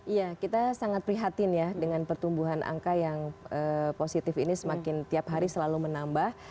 iya kita sangat prihatin ya dengan pertumbuhan angka yang positif ini semakin tiap hari selalu menambah